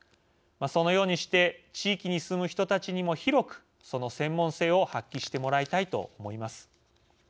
そのようにして地域に住む人たちにも広くその専門性を発揮してもらいたいと思います。